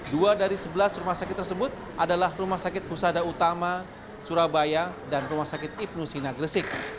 dua dari sebelas rumah sakit tersebut adalah rumah sakit husada utama surabaya dan rumah sakit ibnu sina gresik